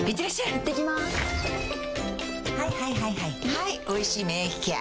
はい「おいしい免疫ケア」